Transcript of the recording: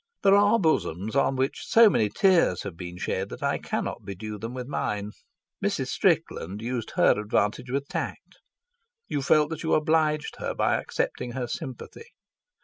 There are bosoms on which so many tears have been shed that I cannot bedew them with mine. Mrs. Strickland used her advantage with tact. You felt that you obliged her by accepting her sympathy.